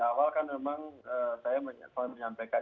awal kan memang saya menyampaikan